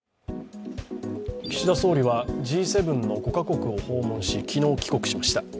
岸田総理はＧ７の５か国を訪問し昨日帰国しました。